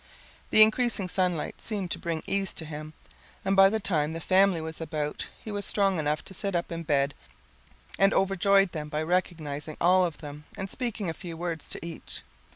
The increasing sunlight seemed to bring ease to him, and by the time the family was about he was strong enough to sit up in bed and overjoyed them by recognizing all of them and speaking a few words to each.